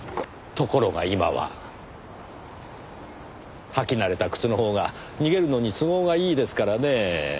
ところが今は履き慣れた靴のほうが逃げるのに都合がいいですからねぇ。